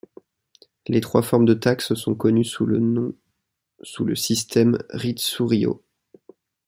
Les trois formes de taxes sont connues sous le nom sous le système ritsuryō.